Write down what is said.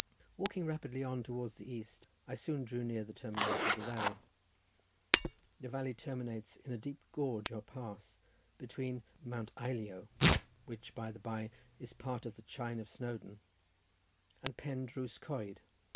Walking rapidly on towards the east, I soon drew near the termination of the valley. The valley terminates in a deep gorge, or pass, between Mount Eilio—which, by the bye, is part of the chine of Snowdon—and Pen Drws Coed.